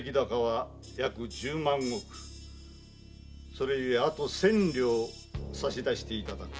それゆえあと千両差し出していただく。